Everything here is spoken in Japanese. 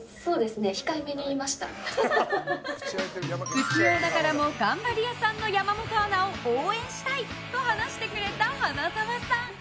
不器用ながらも頑張り屋さんの山本アナを応援したいと話してくれた花澤さん。